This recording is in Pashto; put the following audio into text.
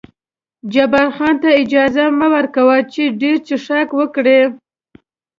جبار خان ته اجازه مه ور کوه چې ډېر څښاک وکړي.